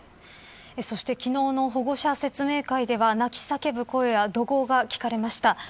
昨日の保護者説明会では泣き叫ぶ声や怒号が聞かれました。